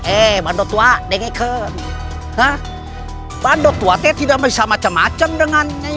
eh banduk tua deng ke banduk tua teh tidak bisa macam macam dengan ini